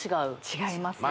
違いますね